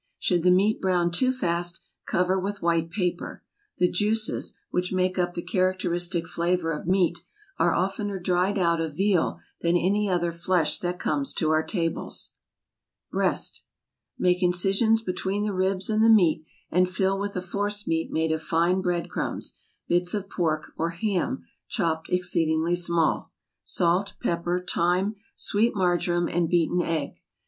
Should the meat brown too fast, cover with white paper. The juices, which make up the characteristic flavor of meat, are oftener dried out of veal than any other flesh that comes to our tables. BREAST. Make incisions between the ribs and the meat, and fill with a force meat made of fine bread crumbs, bits of pork, or ham chopped "exceeding small," salt, pepper, thyme, sweet marjoram, and beaten egg.